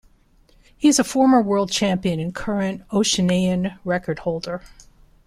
He is a former world champion and current Oceanian record holder.